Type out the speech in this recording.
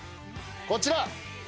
こちら。